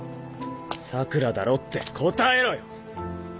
桜良だろって答えろよ！